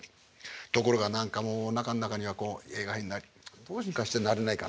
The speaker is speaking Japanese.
ところが何かもうおなかん中には映画俳優にどうにかしてなれないかなあと思って。